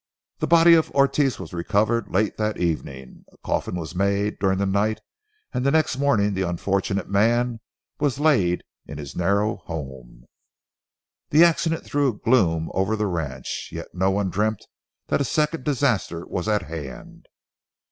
The body of Ortez was recovered late that evening, a coffin was made during the night, and the next morning the unfortunate man was laid in his narrow home. The accident threw a gloom over the ranch. Yet no one dreamt that a second disaster was at hand.